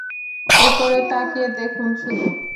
উপরে তাকিয়ে দেখুন শুধু!